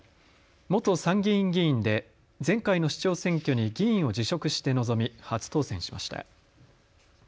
元参議院議員で前回の市長選挙に議員を辞職して臨み、初当選しました。